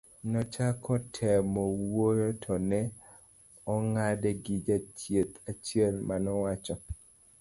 nochako temo wuoyo to ne ong'ade gi jachieth achiel manowacho